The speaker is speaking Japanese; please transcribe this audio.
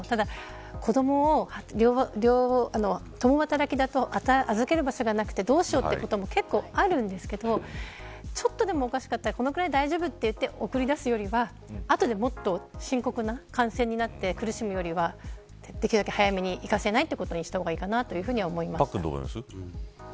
ただ、子どもを共働きだと預ける場所がなくてどうしようということも結構あるんですけどちょっとでもおかしかったらこのくらい大丈夫と言って送り出すよりあとでもっと深刻な感染になって苦しむよりはできるだけ早めに行かせないということにした方がパックンはどう思いますか。